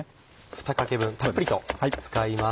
２かけ分たっぷりと使います。